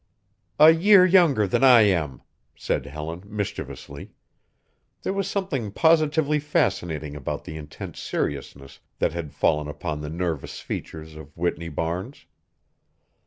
"A year younger than I am," said Helen, mischievously. There was something positively fascinating about the intense seriousness that had fallen upon the nervous features of Whitney Barnes.